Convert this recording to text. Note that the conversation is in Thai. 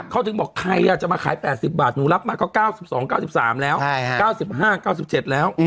เขาถึงบอกใครจะมาขาย๘๐บาทหนูรับมาก็๙๒๙๓แล้ว๙๕๙๗แล้ว